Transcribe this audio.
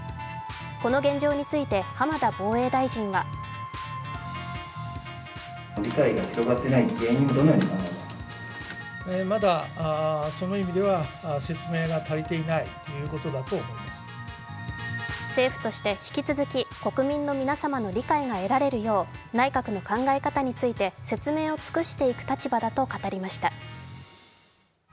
この現状について、浜田防衛大臣は政府として引き続き国民の皆様の理解が得られるよう内閣の考え方について説明を尽くしていく立場だと語りました。